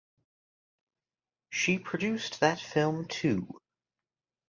She produced that film too.